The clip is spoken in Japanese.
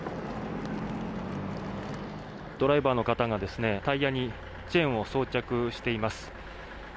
ドライバーの方がタイヤにチェーンを装着しています。